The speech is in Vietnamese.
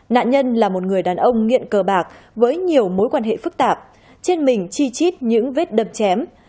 nạn nhân là một người đàn ông nghiện cờ bạc với nhiều mối quan hệ phức tạp trên mình chi chít những vết đập chém